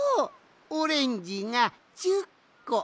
オレンジが１０こ！